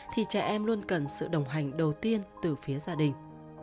thì trẻ em luôn cần sự đồng hành đầu tiên từ phía gia đình